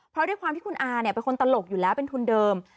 เพราะด้วยความที่คุณอาเป็นคนตลกอยู่แล้วเป็นทุนเดิม